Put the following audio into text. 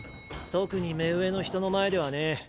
特に目上の人の前ではね。